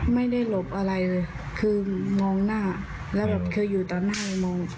หลบอะไรเลยคือมองหน้าแล้วแบบเคยอยู่ตอนหน้าเลยมอง